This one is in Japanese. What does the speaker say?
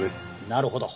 なるほど。